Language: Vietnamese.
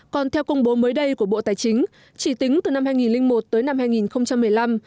còn theo công bố mới đây của bộ tài chính chỉ tính từ năm hai nghìn một tới năm hai nghìn một mươi năm